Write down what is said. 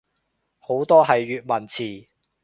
好多係粵文詞